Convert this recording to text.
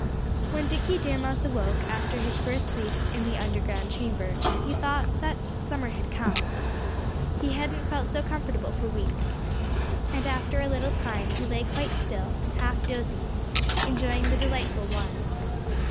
When Dickie Deer Mouse awoke, after his first sleep in the underground chamber, he thought that summer had come. He hadn't felt so comfortable for weeks. And for a little time he lay quite still, half dozing, enjoying the delightful warmth.